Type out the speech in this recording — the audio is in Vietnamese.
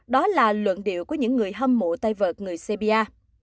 đó là luận điệu của những người hâm mộ tay vợt người serbia